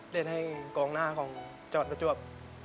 เรียนให้กองหน้าของจังหวัดประจวบ